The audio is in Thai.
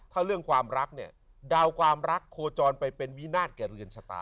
ถ้าเรื่องความรักเนี่ยดาวความรักโคจรไปเป็นวินาศแก่เรือนชะตา